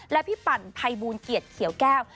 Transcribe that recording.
และพี่ปั่นภัยบูลเกียรติเขียวแก้ว